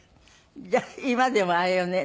じゃあ今でもあれよね。